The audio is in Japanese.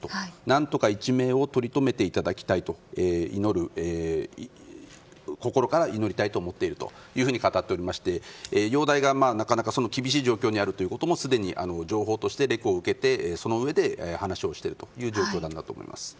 何とか一命をとりとめていただきたいと心から祈りたいと思っていると語っておりまして容体がなかなか厳しい状況にあるということも、レクを受けてそのうえで話をしているという状況なんだと思います。